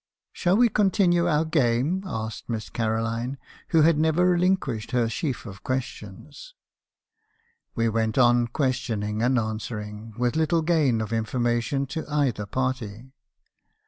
"' Shall we continue our game?' asked Miss Caroline , who had never relinquished her sheaf of questions. 270 mr. haeeison's confessions. ""We went on questioning and answering, with little gain of information to either party.